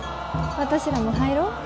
私らも入ろう。